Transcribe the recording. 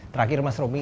terakhir mas romy